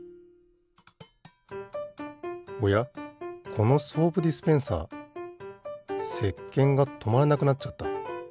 このソープディスペンサーせっけんがとまらなくなっちゃった。